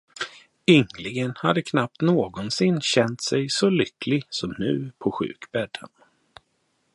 Ynglingen hade knappt någonsin känt sig så lycklig som nu på sjukbädden.